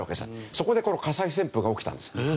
そこでこの火災旋風が起きたんです。